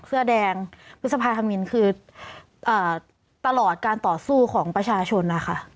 เสื้อแดงพฤษภาธมินคือตลอดการต่อสู้ของประชาชนนะคะ